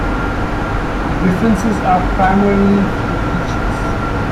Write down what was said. The differences are primarily in features.